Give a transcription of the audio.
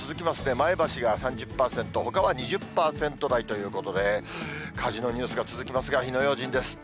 前橋が３０％、ほかは２０％台ということで、火事のニュースが続きますが、火の用心です。